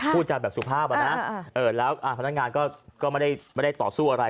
พูดจาแบบสุภาพอ่ะนะแล้วพนักงานก็ไม่ได้ต่อสู้อะไร